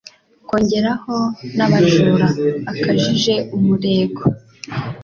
kongeraho n'abajura bakajije umurego.